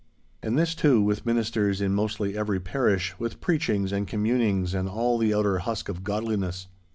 And this, too, with ministers in mostly every parish, with preachings and communings, and all the outer husk of godliness.